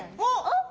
あっ！